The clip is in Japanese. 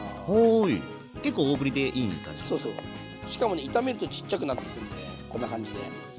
しかもね炒めるとちっちゃくなってくるんでこんな感じで。